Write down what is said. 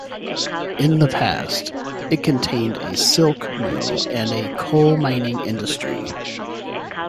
In the past, it contained a silk mill and a coal mining industry.